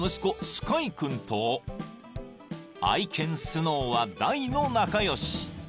スカイ君と愛犬スノーは大の仲良し］